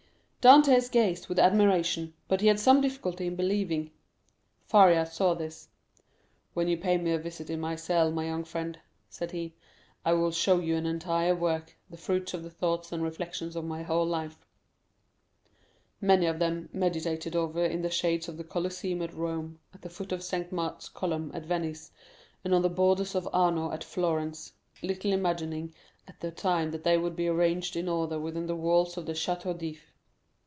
Dantès gazed with admiration, but he had some difficulty in believing. Faria saw this. "When you pay me a visit in my cell, my young friend," said he, "I will show you an entire work, the fruits of the thoughts and reflections of my whole life; many of them meditated over in the shades of the Colosseum at Rome, at the foot of St. Mark's column at Venice, and on the borders of the Arno at Florence, little imagining at the time that they would be arranged in order within the walls of the Château d'If.